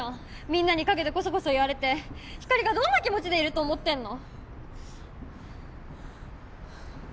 みんなに陰でコソコソ言われてひかりがどんな気持ちでいると思ってんの！？